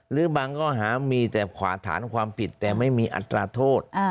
หรือบางข้อหามีแต่ขวาฐานความผิดแต่ไม่มีอัตราโทษ